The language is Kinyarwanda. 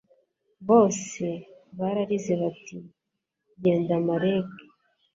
Bose bararize bati Genda Maleque